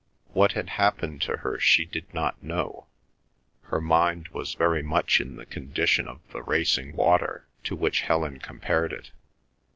What had happened to her she did not know. Her mind was very much in the condition of the racing water to which Helen compared it.